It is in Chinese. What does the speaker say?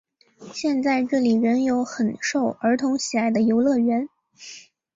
现在这里仍有很受儿童喜爱的游乐园。